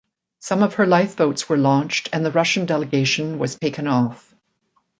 Some of her lifeboats were launched and the Russian delegation was taken off.